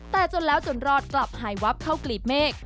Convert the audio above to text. แต่จนแล้วจนรอดกลับหายวับเข้ากลีบเมฆ